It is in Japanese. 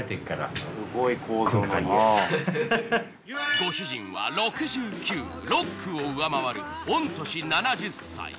ご主人は６９ロックを上回る御年７０歳。